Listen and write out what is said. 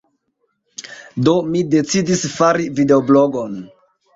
Do mi decidis fari videoblogon.